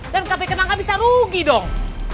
dan kp kenang gak bisa rugi dong